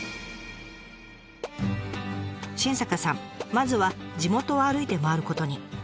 まずは地元を歩いて回ることに。